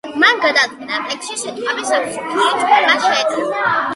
მან გადაწყვიტა, ტექსტში სიტყვების აბსურდული წყობა შეეტანა.